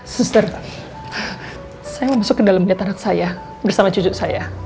suster saya mau masuk ke dalam diet anak saya bersama cucu saya